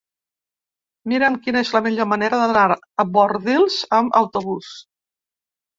Mira'm quina és la millor manera d'anar a Bordils amb autobús.